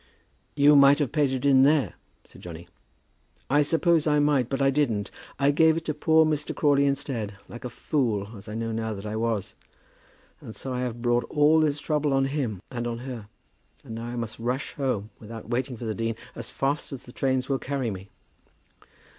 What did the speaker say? "You might have paid it in there?" said Johnny. "I suppose I might, but I didn't. I gave it to poor Mr. Crawley instead, like a fool, as I know now that I was. And so I have brought all this trouble on him and on her; and now I must rush home, without waiting for the dean, as fast as the trains will carry me."